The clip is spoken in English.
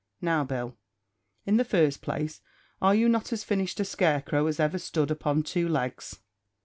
"Now, Bill, in the first place, are you not as finished a scare crow as ever stood upon two legs?"